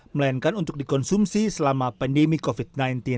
melainkan untuk dikonsumsi selama pandemi covid sembilan belas